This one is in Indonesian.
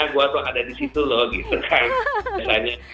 gue tuh ada disitu loh gitu kan biasanya